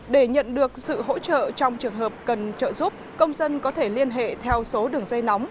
để nhận được sự hỗ trợ trong trường hợp cần trợ giúp công dân có thể liên hệ theo số đường dây nóng